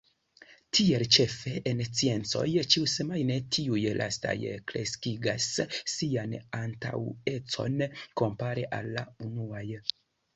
Tiel ĉefe en sciencoj ĉiusemajne tiuj lastaj kreskigas sian antaŭecon kompare al la unuaj.